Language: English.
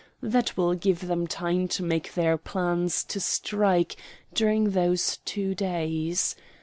That will give them time to make their plans to strike during those two days.